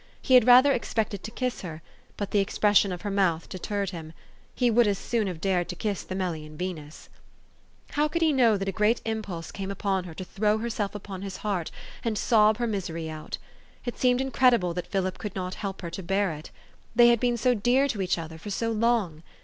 He had rather expected to kiss her ; but the expression of her mouth deterred him. He would as soon have dared to kiss the Melian Venus. How could he know that a great impulse came upon THE STORY OF AVIS. 357 her to throw herself upon his heart, and sob her misery out ? It seemed incredible that Philip could not help her to bear it. They had been so dear to each other for so long